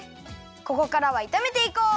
ここからはいためていこう！